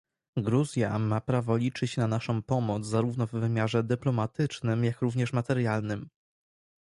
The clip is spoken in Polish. Gruzja ma prawo liczyć na naszą pomoc zarówno w wymiarze dyplomatycznym, jak również materialnym